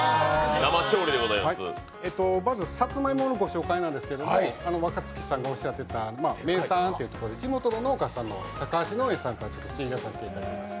さつまいもの御紹介なんですけど、若槻さんがおっしゃっていた名産ということで、地元の農家さんのタカハシ農園さんで作っていただいてます。